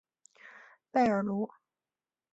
贝尔卢。